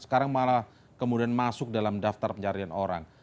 sekarang malah kemudian masuk dalam daftar pencarian orang